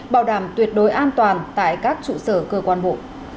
bảo đảm tuyệt đối an toàn tại các trụ sở cơ quan bộ